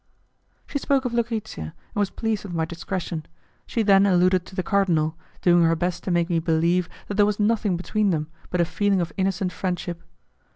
She spoke of Lucrezia, and was pleased with my discretion. She then alluded to the cardinal, doing her best to make me believe that there was nothing between them but a feeling of innocent friendship.